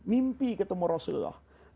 mimpi ketemu rasulullah